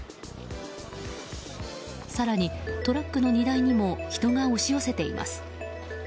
更に、トラックの荷台にも人が押し寄せています。